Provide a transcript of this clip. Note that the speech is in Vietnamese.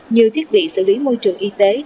như thiết bị xử lý môi trường y tế